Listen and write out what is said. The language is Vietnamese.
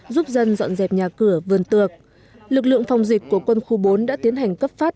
giúp dân dọn dẹp nhà cửa vườn tược lực lượng phòng dịch của quân khu bốn đã tiến hành cấp phát